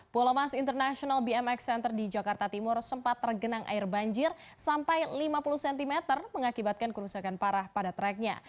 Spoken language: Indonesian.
pulau mas international bmx center di jakarta timur sempat tergenang air banjir sampai lima puluh cm mengakibatkan kerusakan parah pada treknya